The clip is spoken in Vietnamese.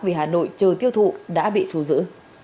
vì hà nội chờ tiêu thụ đã bị thu giữ